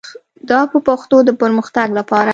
دا به د پښتو د پرمختګ لپاره